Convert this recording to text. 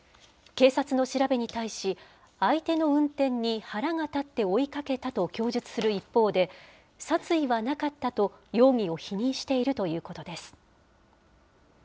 警察の調べに対し、相手の運転に腹が立って追いかけたと供述する一方で、殺意はなかったと、容疑を否認しているということです。